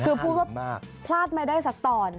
คือพูดว่าพลาดไม่ได้สักตอน